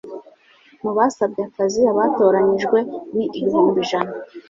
Mu basabye akazi abatoranyijwe ni ibihumbi ijana